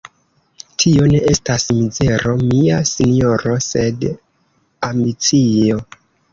Tio ne estas mizero, mia sinjoro, sed ambicio!